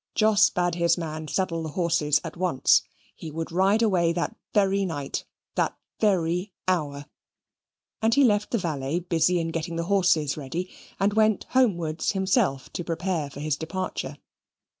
Jos bade his man saddle the horses at once. He would ride away that very night, that very hour. And he left the valet busy in getting the horses ready, and went homewards himself to prepare for his departure.